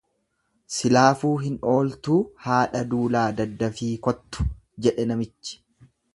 """Silaafuu hin ooltuu haadha duulaa daddafii kottu"" jedhe namichi."